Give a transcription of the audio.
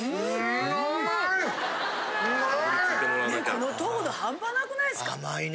この糖度半端なくないですか？